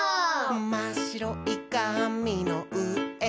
「まっしろいかみのうえをハイ！」